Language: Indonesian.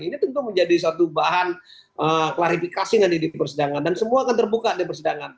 ini tentu menjadi suatu bahan klarifikasi nanti di persidangan dan semua akan terbuka di persidangan